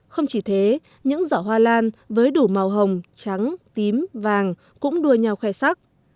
không chỉ thế những giỏ hoa lan với đủ màu hồng trắng tím vàng cũng đua nhau khoe sắc